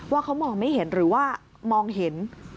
ว่าเขามองไม่เห็นหรือว่ามองเห็น